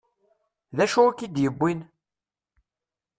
D acu i k-id-yewwin?